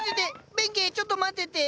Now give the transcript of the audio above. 弁慶ちょっと待ってて！